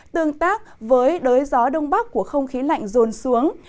tương tác với đới gió đông bắc của không khí lạnh rồn xuống